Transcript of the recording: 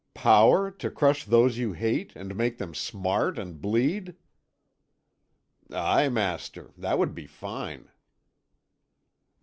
"Power, to crush those you hate, and make them smart and bleed?" "Aye, master. That would be fine."